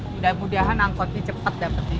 mudah mudahan angkotnya cepet dapet nih